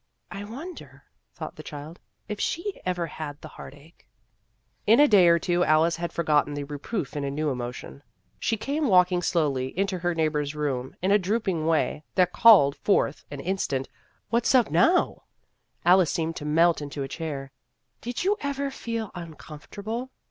" I wonder," thought the child, " if she ever had the heartache." In a day or two Alice had forgotten the reproof in a new emotion. She came walking slowly into her neighbor's room in a drooping way that called forth an instant " What 's up now ?" 14 Vassar Studies Alice seemed to melt into a chair. " Did you ever feel uncomfortable?"